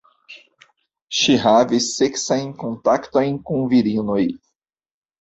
Ŝi havis seksajn kontaktojn kun virinoj.